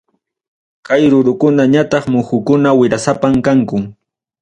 Kay rurukuna ñataq muhukuna wirasapam kanku.